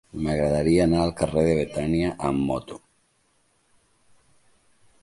M'agradaria anar al carrer de Betània amb moto.